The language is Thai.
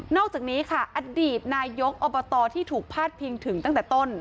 อกจากนี้ค่ะอดีตนายกอบตที่ถูกพาดพิงถึงตั้งแต่ต้น